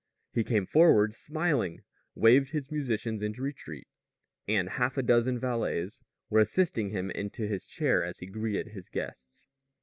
He came forward smiling, waved his musicians into retreat; and half a dozen valets were assisting him into his chair as he greeted his guests.